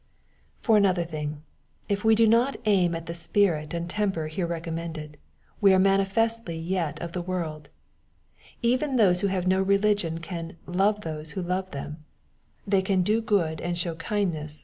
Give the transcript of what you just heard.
For another thing, if we do not aim at the spirit and temper here recommended, we are manifestly yet of the world. Even those who have no religion can " love those who love them." They can do good and show kindness. MATTHEW, OHAP. T.